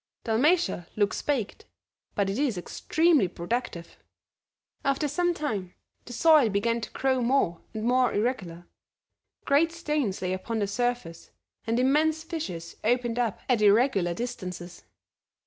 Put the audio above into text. "Dalmatia looks baked, but it is extremely productive." After some time, the soil began to grow more and more irregular. Great stones lay upon the surface, and immense fissures opened up at irregular distances.